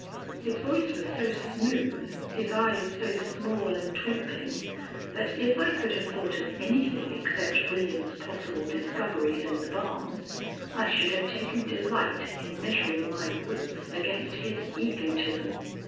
His voice was so smooth, his eyes so small and twinkling, that if I could have thought of anything except William's possible discoveries in the barn, I should have taken delight in measuring my wits against his egotism.